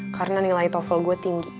karena nilai toefl gue tinggi